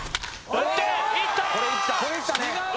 打っていった！